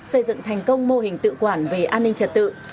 xây dựng thành công mô hình tự quản về an ninh trật tự